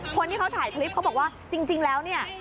คนที่เขาถ่ายคลิปเขาบอกว่าจริงแล้วเนี่ย